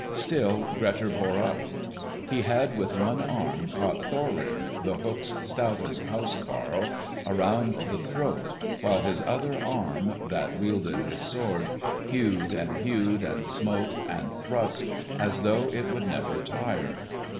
Still Grettir bore up. He had with one arm caught Thorir, The Hook's stoutest house carle, around the throat, while his other arm, that wielded his sword, hewed and hewed and smote and thrust as though it would never tire.